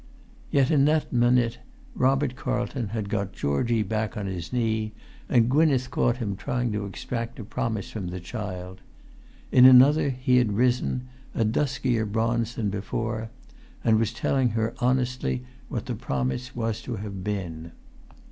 Yet in that minute Robert Carlton had got Georgie back upon his knee, and Gwynneth caught him trying to extract a promise from the child; in another he had risen, a duskier bronze than before, and was[Pg 273] telling her honestly what the promise was to have been.